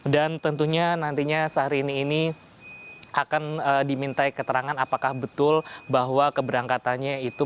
dan tentunya nantinya syahrini ini akan diminta keterangan apakah betul bahwa keberangkatannya itu